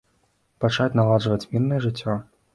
Пачаць наладжваць мірнае жыццё.